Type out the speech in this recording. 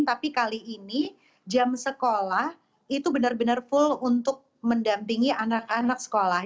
tapi kali ini jam sekolah itu benar benar full untuk mendampingi anak anak sekolah